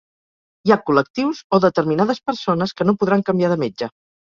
Hi ha col·lectius o determinades persones que no podran canviar de metge.